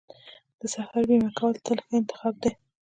د سفر بیمه کول تل ښه انتخاب دی.